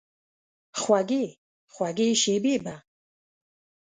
خوږې، خوږې شیبې به،